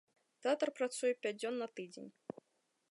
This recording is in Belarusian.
Тэатр працуе пяць дзён на тыдзень.